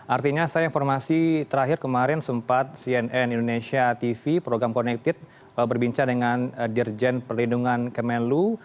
artinya saya informasi terakhir kemarin sempat cnn indonesia tv program connected berbincang dengan dirjen perlindungan kemenlu